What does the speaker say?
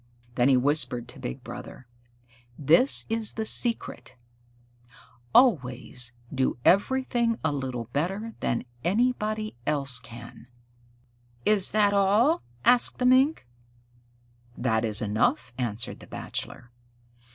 Then he whispered to Big Brother, "This is the secret: always do everything a little better than anybody else can." "Is that all?" asked the young Mink. "That is enough," answered the Bachelor.